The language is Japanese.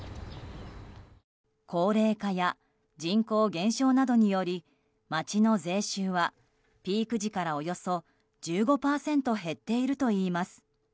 高齢化や人口減少などにより町の税収はピーク時からおよそ１５％減っているといいます。